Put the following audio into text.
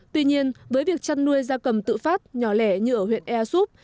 tuy nhiên với việc chất nuôi gia cầm tự phát nhỏ lẻ như ở huyện ea xúc